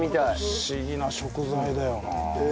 不思議な食材だよな。